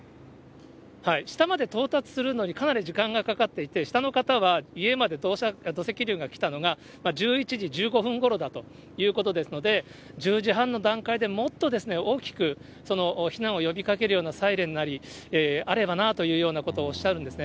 下まで到達するのにかなり時間がかかっていて、下の方は、家まで土石流が来たのが１１時１５分ごろだということですので、１０時半の段階で、もっと大きく避難を呼びかけるようなサイレンなり、あればなというようなことをおっしゃるんですね。